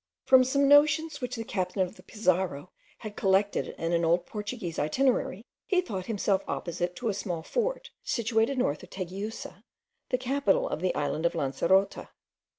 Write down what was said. From some notions which the captain of the Pizarro had collected in an old Portuguese itinerary, he thought himself opposite to a small fort, situated north of Teguisa, the capital of the island of Lancerota.